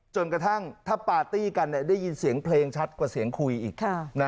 จนกระทั่งถ้าปาร์ตี้กันได้ยินเสียงเพลงชัดกว่าเสียงคุยอีก